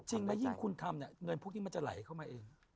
จริงแล้วยิ่งคุณทำเนี่ยเงินพวกนี้มันจะไหลเข้ามาเอง